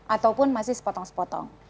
ataupun masih sepotong sepotong